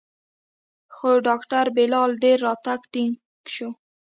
خو ډاکتر بلال ډېر راته ټينګ سو.